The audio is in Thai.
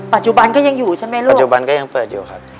ปัจจุบันก็ยังอยู่ใช่ไหมลูกปัจจุบันก็ยังเปิดอยู่ครับ